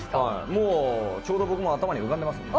もうちょうど僕も頭に浮かんでますので。